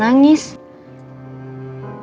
ya allah ya tuhan